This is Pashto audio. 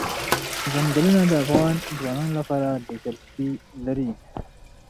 ځنګلونه د افغان ځوانانو لپاره دلچسپي لري.